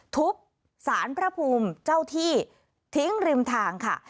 ทุบสารพระภูมิเจ้าที่ทิ้งริมทางค่ะ